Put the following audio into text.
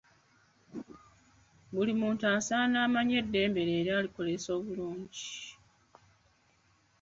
Buli muntu asaanye amanye eddembe lye era alikozese bulungi